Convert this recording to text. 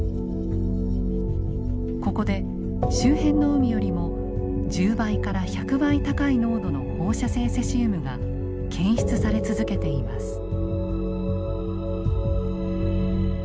ここで周辺の海よりも１０倍から１００倍高い濃度の放射性セシウムが検出され続けています。